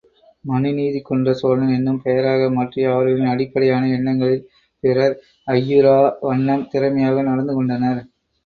மனுநீதி கொன்ற சோழன் என்னும் பெயராக மாற்றி, அவர்களின் அடிப்படையான எண்ணங்களில் பிறர் ஐயுறா வண்ணம் திறமையாக நடந்துகொண்டனர்.